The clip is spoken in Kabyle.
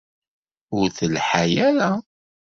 Ur telḥa ara.